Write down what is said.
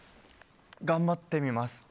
頑張ってみます。